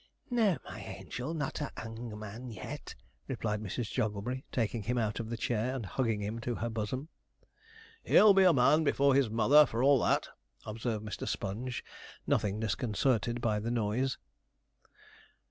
'No, my angel, not a 'ung man yet,' replied Mrs. Jogglebury, taking him out of the chair, and hugging him to her bosom. 'He'll be a man before his mother for all that,' observed Mr. Sponge, nothing disconcerted by the noise.